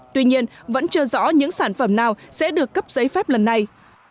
tuy nhiên vẫn chưa rõ những sản phẩm nào sẽ được cấp giấy phép lần này